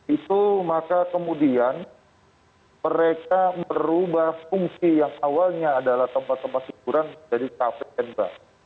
itu maka kemudian mereka merubah fungsi yang awalnya adalah tempat tempat hiburan menjadi kafe dan mbak